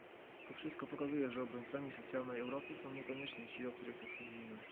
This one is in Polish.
To wszystko pokazuje, że obrońcami socjalnej Europy są niekoniecznie ci, o których tak sądzimy